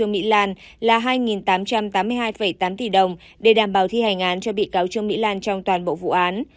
mỹ lan là hai tám trăm tám mươi hai tám tỷ đồng để đảm bảo thi hành án cho bị cáo trương mỹ lan trong toàn bộ vụ án